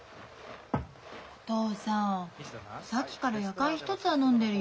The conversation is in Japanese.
お父さんさっきからやかん１つは飲んでるよ。